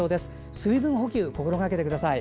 水分補給を心がけてください。